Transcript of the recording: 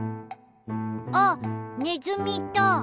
あっネズミだ。